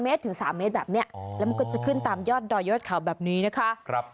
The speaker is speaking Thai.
เมตรถึง๓เมตรแบบนี้แล้วมันก็จะขึ้นตามยอดดอยยอดเขาแบบนี้นะคะ